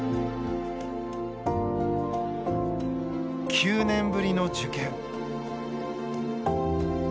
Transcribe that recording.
９年ぶりの受験。